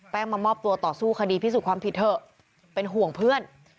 มามอบตัวต่อสู้คดีพิสูจน์ความผิดเถอะเป็นห่วงเพื่อน